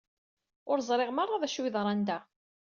Ur ẓriɣ meṛṛa d acu yeḍran da.